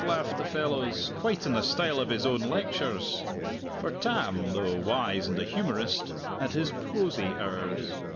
laughed the fellows; "quite in the style of his own lectures." For Tam, though wise and a humorist, had his prosy hours.